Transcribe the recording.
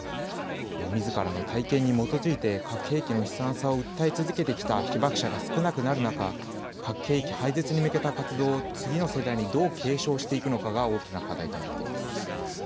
みずからの体験に基づいて核兵器の悲惨さを訴え続けてきた被爆者が少なくなる中、核兵器廃絶に向けた活動を次の世代にどう継承していくのかが大きな課題となっています。